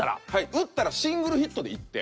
打ったらシングルヒットで１点。